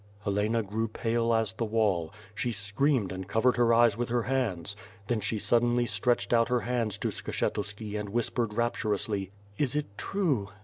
Helena grew pale as the wall. She screamed and covered her eyes with her hands. Then she suddenly stretched out her hands to Skshetuski and whispered rapturously: 'Is it true?"